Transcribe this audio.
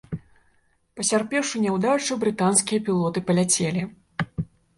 Пацярпеўшы няўдачу, брытанскія пілоты паляцелі.